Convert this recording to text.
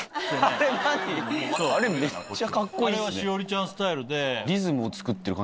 あれは栞里ちゃんスタイルで。